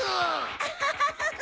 アハハハハ！